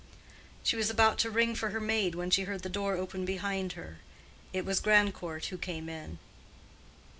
'" She was about to ring for her maid when she heard the door open behind her. It was Grandcourt who came in.